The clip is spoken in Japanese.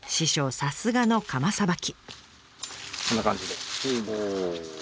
さすがの鎌さばき。